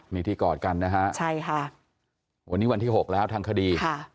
มีที่กอดกันนะคะวันนี้วันที่๖แล้วทางคดี